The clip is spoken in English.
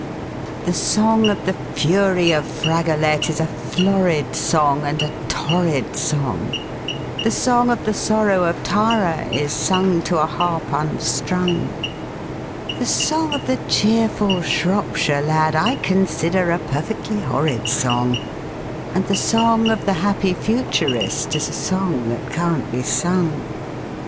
The song of the fury of Fragolette is a florid song and a torrid song, The song of the sorrow of Tara is sung to a harp unstrung, The song of the cheerful Shropshire Lad I consider a perfectly horrid song, And the song of the happy Futurist is a song that can't be sung.